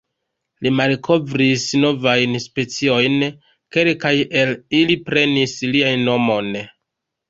Li malkovris novajn speciojn, kelkaj el ili prenis lian nomon.